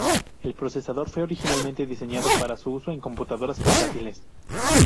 El procesador fue originalmente diseñado para su uso en computadoras portátiles.